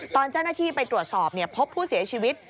ตอนเจ้าหน้าที่ไปตรวจสอบพบผู้เสียชีวิต